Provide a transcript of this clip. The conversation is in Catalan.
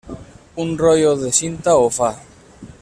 Un rotllo de cinta ho fa.